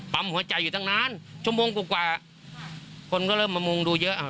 หัวใจอยู่ตั้งนานชั่วโมงกว่าคนก็เริ่มมามุงดูเยอะ